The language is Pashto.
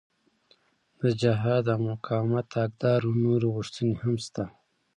د جهاد او مقاومت د حقدارو نورې غوښتنې هم شته.